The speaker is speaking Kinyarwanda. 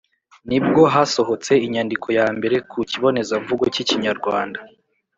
nibwo hasohotse inyandiko ya mbere ku kibonezamvugo k’Ikinyarwanda.